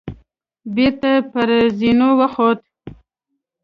بېرته پر زينو وخوت.